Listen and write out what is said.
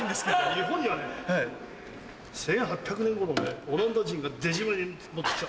日本にはね１８００年ごろオランダ人が出島に持ってきた。